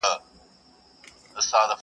او بحثونه بيا راګرځي تل